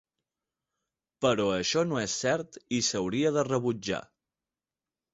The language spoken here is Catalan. Però això no és cert i s'hauria de rebutjar.